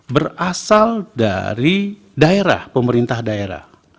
berasal dari daerah pemerintah daerah